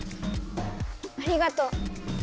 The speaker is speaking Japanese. ありがとう。